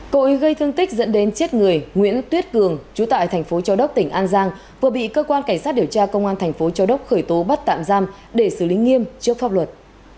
cô ấy gây thương tích dẫn đến chết người nguyễn tuyết cường chú tại tp châu đốc tỉnh an giang vừa bị cơ quan cảnh sát điều tra công an tp châu đốc khởi tố bắt tạm giam để xử lý nghiêm trước pháp luật